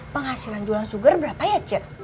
penghasilan jualan sugar berapa ya